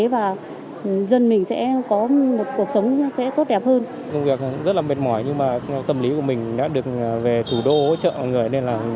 và tiêm chủng cho huyện thanh trì hà nội